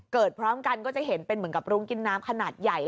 พร้อมกันก็จะเห็นเป็นเหมือนกับรุ้งกินน้ำขนาดใหญ่